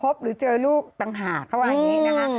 หรือเจอลูกต่างหากเขาว่าอย่างนี้นะคะ